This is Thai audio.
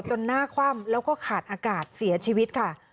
หน้าคว่ำแล้วก็ขาดอากาศเสียชีวิตค่ะ